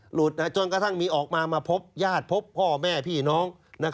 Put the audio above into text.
หลุดจนกระทั่งมีออกมามาพบญาติพบพ่อแม่พี่น้อง